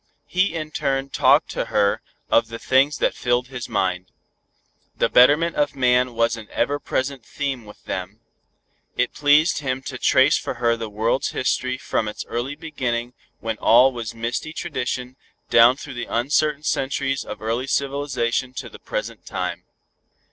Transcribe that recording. He in turn talked to her of the things that filled his mind. The betterment of man was an ever present theme with them. It pleased him to trace for her the world's history from its early beginning when all was misty tradition, down through the uncertain centuries of early civilization to the present time.